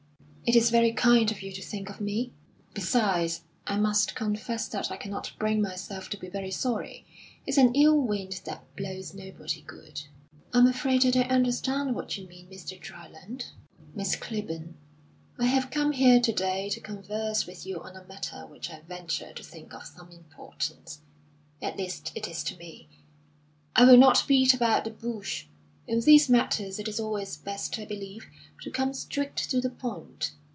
"It is very kind of you to think of me." "Besides, I must confess that I cannot bring myself to be very sorry. It's an ill wind that blows nobody good." "I'm afraid I don't understand what you mean, Mr. Dryland." "Miss Clibborn, I have come here to day to converse with you on a matter which I venture to think of some importance. At least, it is to me. I will not beat about the bush. In these matters it is always best, I believe, to come straight to the point."